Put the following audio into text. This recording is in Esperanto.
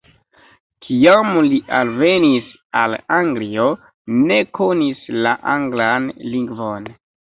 Kiam li alvenis al Anglio ne konis la anglan lingvon.